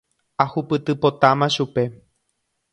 Ahupytypotáma chupe.